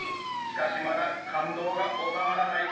しかしまだ感動がおさまらない。